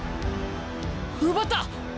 奪った！